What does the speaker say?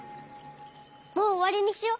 もうおわりにしよう。